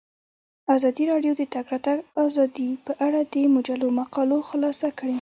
ازادي راډیو د د تګ راتګ ازادي په اړه د مجلو مقالو خلاصه کړې.